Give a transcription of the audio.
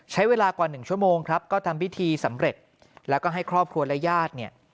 ใช้เวลากว่าหนึ่งชั่วโมงครับก็ทำพิธีสำเร็จแล้วก็ให้ครอบครัวและญาติเนี่ย